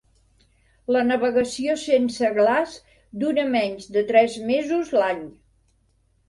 La navegació sense glaç dura menys de tres mesos l'any.